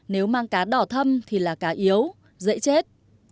nếu mang cá đỏ thâm thì là cá yếu dễ chết